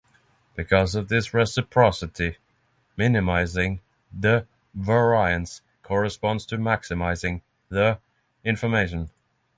Because of this reciprocity, minimizing" the "variance corresponds to maximizing" the "information.